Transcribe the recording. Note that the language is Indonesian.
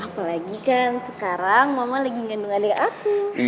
apalagi kan sekarang mama lagi ngandung adik aku